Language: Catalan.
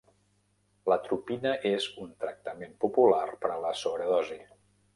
L'atropina és un tractament popular per a la sobredosi.